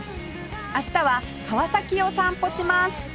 明日は川崎を散歩します